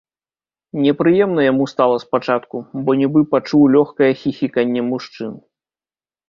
Непрыемна яму стала спачатку, бо нібы пачуў лёгкае хіхіканне мужчын.